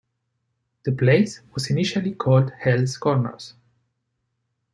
The place was initially called Hall's Corners.